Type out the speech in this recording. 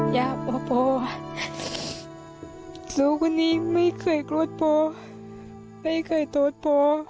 ลูกคนนี้ไม่เคยโกรธพ่อไม่เคยโทษพ่อ